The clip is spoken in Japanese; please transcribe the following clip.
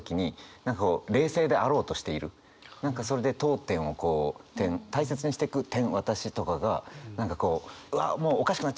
何かそれで読点をこう「、大切にしてく、私」とかが何かこううわもうおかしくなっちゃいそう！